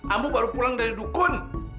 ambu baru pulang dari dukun